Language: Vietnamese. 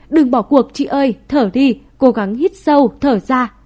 đừng bỏ cuộc chị ơi thở đi cố gắng hít sâu thở ra